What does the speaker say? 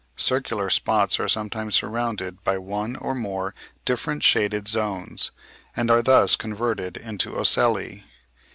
Circular spots are sometimes surrounded by one or more differently shaded zones, and are thus converted into ocelli.